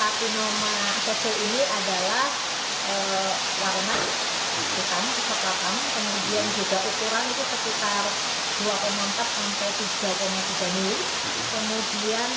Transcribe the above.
tapinoma sessile ini adalah warna hitam kemudian juga ukuran itu sekitar dua puluh empat sampai tiga puluh tiga